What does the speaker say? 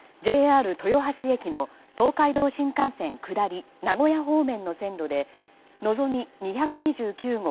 ＪＲ豊橋駅の東海道新幹線下り名古屋方面の線路で「のぞみ２２９号」